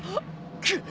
くっ。